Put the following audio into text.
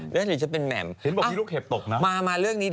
เรื่องนี้จะเป็นแหม่ม